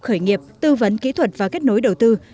khởi nghiệp tư vấn kỹ thuật và kết nối đầu tư